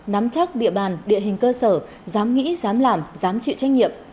nắm chắc địa bàn địa hình cơ sở dám nghĩ dám làm dám chịu trách nhiệm